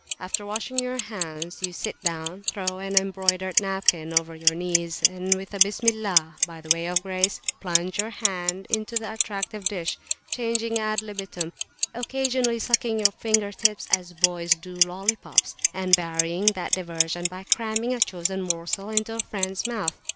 After washing your hands, you sit down, throw an embroidered napkin over your knees, and with a Bismillah, by way of grace, plunge your hand into the attractive dish, changing ad libitum, occasionally sucking your finger tips as boys do lollipops, and varying that diversion by cramming a chosen morsel into a friends mouth.